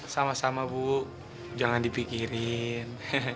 sama sama bu jangan dipikirin